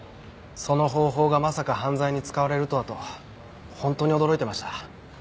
その方法がまさか犯罪に使われるとはと本当に驚いてました。